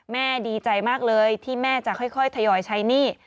แม่ดีใจมากเลยที่แม่จะค่อยทยอยใช้หนี้